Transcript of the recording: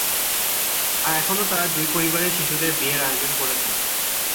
আর এখনো তারা দুই পরিবারের শিশুদের বিয়ের আয়োজন করে থাকে।